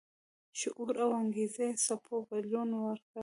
شعور او انګیزو څپو بدلون ورکړ.